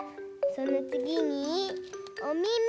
そのつぎにおみみ。